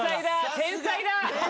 天才だ！